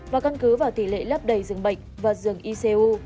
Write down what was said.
và căn cứ vào tỷ lệ lắp đầy dường bệnh và dường icu